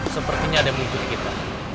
sepertinya ada yang mengikuti kita